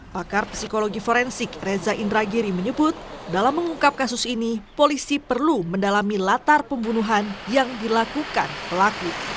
pakar psikologi forensik reza indragiri menyebut dalam mengungkap kasus ini polisi perlu mendalami latar pembunuhan yang dilakukan pelaku